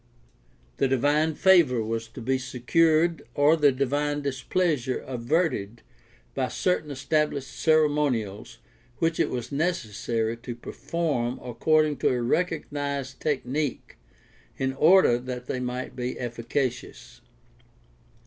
The divine favor was to be secured or the divine displeasure averted by certain established ceremonials which it was necessary to per form according to a recognized technique in order that they might be efficacious.